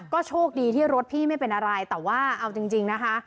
ก็โชคดีที่รถพี่ไม่เป็นอะไรแต่ว่าเอาจริงนะคะ